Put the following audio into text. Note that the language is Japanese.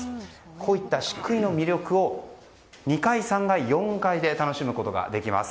こういった漆喰の魅力を２階、３階、４階で楽しむことができます。